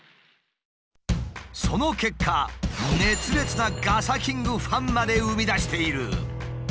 その結果熱烈なガサキングファンまで生み出している。